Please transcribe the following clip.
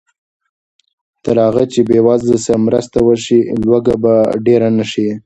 تر هغه چې بېوزلو سره مرسته وشي، لوږه به ډېره نه شي.